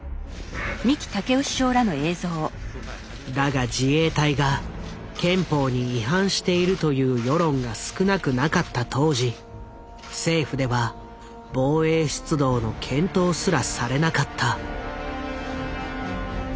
だが自衛隊が憲法に違反しているという世論が少なくなかった当時政府では防衛出動の検討すらされなかった。